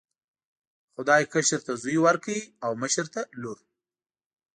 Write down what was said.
خدای کشر ته زوی ورکړ او مشر ته لور.